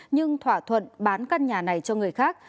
nhưng thỏa thuận bán căn nhà này cho người khác